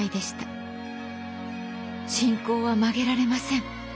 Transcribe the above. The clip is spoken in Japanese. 「信仰は曲げられません」。